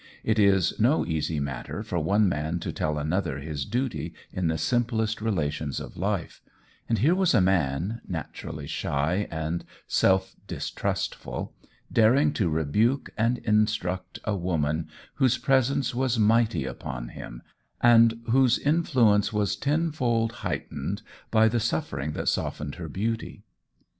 It is no easy matter for one man to tell another his duty in the simplest relations of life; and here was a man, naturally shy and self distrustful, daring to rebuke and instruct a woman, whose presence was mighty upon him, and whose influence was tenfold heightened by the suffering that softened her beauty!